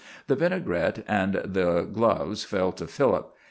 The vinaigrette and the gloves fell to Philip.